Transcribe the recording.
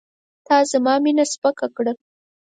تا زما مینه سپکه کړه.